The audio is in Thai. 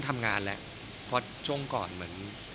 ทำงานแหละเพราะช่วงก่อนเหมือน